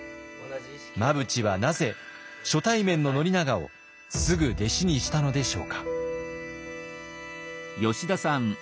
真淵はなぜ初対面の宣長をすぐ弟子にしたのでしょうか？